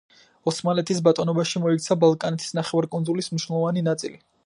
ოსმალეთის ბატონობაში მოექცა ბალკანეთის ნახევარკუნძულის მნიშვნელოვანი ნაწილი.